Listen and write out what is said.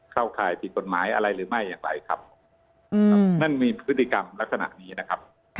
เข้าข่ายผิดกฎหมายอะไรหรือไม่อย่างไรครับนั่นมีพฤติกรรมลักษณะนี้นะครับ